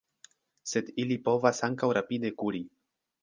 Sed ili povas ankaŭ rapide kuri.